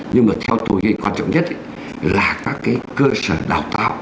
nhưng mà theo tôi quan trọng nhất là các cái cơ sở đào tạo